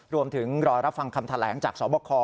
รวมถึงรอรับฟังคำแถลงจากสวบคอ